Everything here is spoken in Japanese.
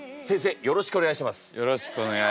よろしくお願いします。